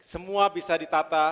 semua bisa ditata